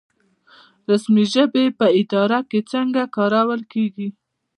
رسمي ژبې په اداره کې څنګه کارول کیږي؟